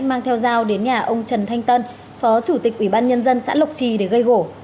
mang theo dao đến nhà ông trần thanh tân phó chủ tịch ủy ban nhân dân xã lộc trì để gây gỗ